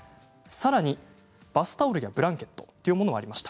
さらにバスタオルやブランケットもありました。